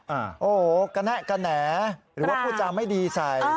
โอ้โหกระแนะกระแหน่หรือว่าพูดจาไม่ดีใส่